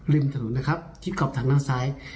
ริมถนนนะครับที่กรอบทางด้านซ้าย